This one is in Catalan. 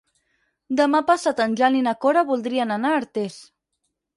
Demà passat en Jan i na Cora voldrien anar a Artés.